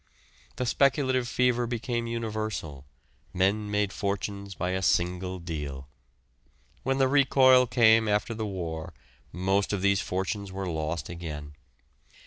The speculative fever became universal; men made fortunes by a single deal. When the recoil came after the war most of these fortunes were lost again.